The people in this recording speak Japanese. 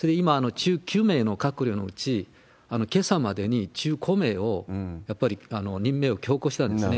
今、１９名の閣僚のうち、けさまでに１５名をやっぱり任命を強行したんですね。